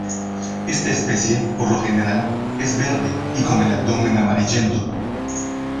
Esta especie, por lo general, es verde y con el abdomen amarillento.